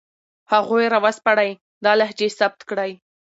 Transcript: هغوی را وسپړئ، دا لهجې ثبت کړئ